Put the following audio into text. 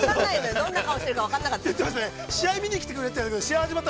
どんな顔してるか分かんなかった。